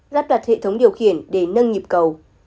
lắp đặt hệ thống điều khiển để nâng nhịp cầu